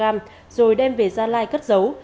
rồi đem về gia lai cất giấu